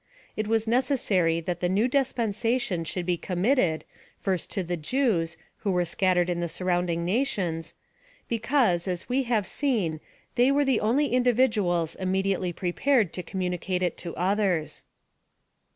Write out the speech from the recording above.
It was necessary that the new dispensation should be committed, first to the Jews, who were scattered in the surrounding nntions, because, as we have seen, they were the only individuals immediately prepared to commnni cate it to others.